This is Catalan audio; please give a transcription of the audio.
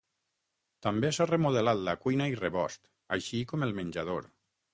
També s’ha remodelat la cuina i rebost, així com el menjador.